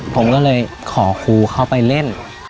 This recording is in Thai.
ผมก็เลยขอครูเข้าไปเล่น